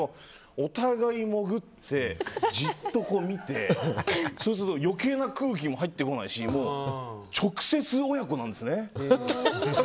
お互い潜って、じっと見てそうすると余計な空気も入ってこないし直接、親子なんですね。